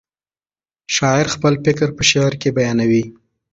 شاعر خپل فکر په شعر کې بیانوي.